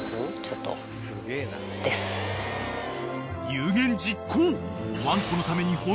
［有言実行！］